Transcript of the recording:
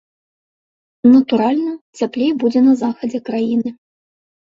Натуральна, цяплей будзе на захадзе краіны.